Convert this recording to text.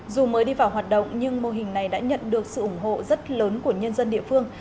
dù mới đi vào hoạt động nhưng mô hình này đã nhận được sự ủng hộ rất lớn của nhân dân địa phương